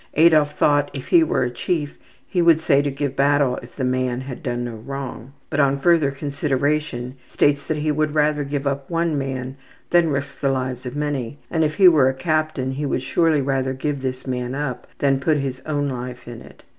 Adolf thought if he were a chief he would say to give battle if the man had done no wrong, but on further consideration states that he would rather give up one man than risk the lives of many, and if he were a captain he would surely rather give this man up than put his own life in it.